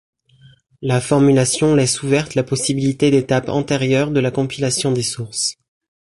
La formulation laisse ouverte la possibilité d'étapes antérieures de la compilation des sources.